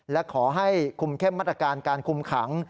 และขอให้คุมเข้มมาตรการการคุมขัง